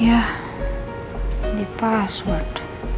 yah di password